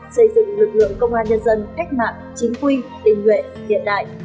xây dựng lực lượng công an nhân dân cách mạng chính quy tình nguyện hiện đại